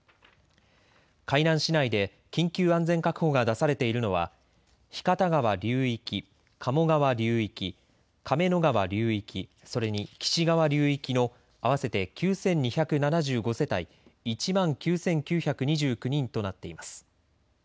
海南市内で緊急安全確保が出されているのは日方川流域と加茂川流域、亀の川流域、それに貴志川流域の合わせて９２７５世帯１万９９２９人となっています。